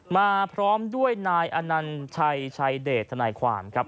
มาพร้อมด้วยนายอนัญชัยชัยเดชทนายความครับ